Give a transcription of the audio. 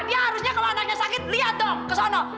dia harusnya kalau anaknya sakit lihat dong ke sana